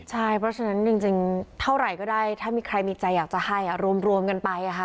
ใช่เพราะฉะนั้นจริงเท่าไหร่ก็ได้ถ้ามีใครมีใจอยากจะให้รวมกันไป